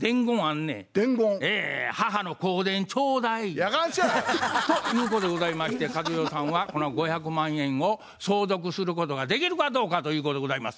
やかましいわ！ということでございまして和代さんはこの５００万円を相続することができるかどうかということでございます。